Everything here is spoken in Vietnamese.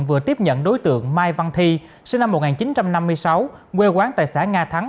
vừa tiếp nhận đối tượng mai văn thi sinh năm một nghìn chín trăm năm mươi sáu quê quán tại xã nga thắng